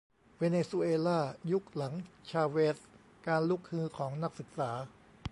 เวเนซุเอล่ายุคหลังชาเวซ การลุกฮือของนักศึกษา